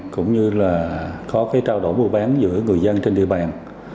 cũng như là có cái trao đổi mua bán giữa người dân trên địa bàn